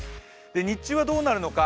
日中はどうなるのか。